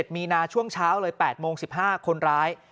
มีนาช่วงเช้าเลย๘โมง๑๕คนร้าย